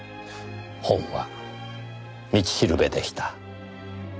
本は道しるべでした。